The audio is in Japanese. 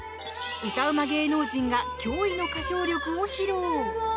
歌うま芸能人が驚異の歌唱力を披露。